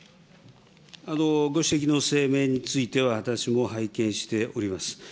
ご指摘の声明については、私も拝見しております。